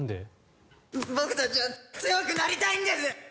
僕たちは強くなりたいんです。